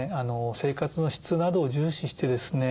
生活の質などを重視してですね